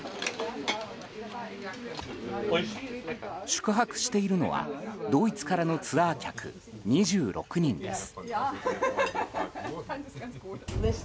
宿泊しているのはドイツからのツアー客２６人です。